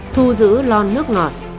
thu giữ lon nước ngọt